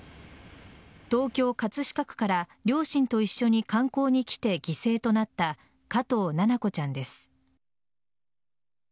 東京・葛飾区から両親と一緒に観光に来て犠牲となった加藤七菜子ちゃんです。